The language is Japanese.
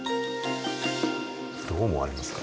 どう思われますか？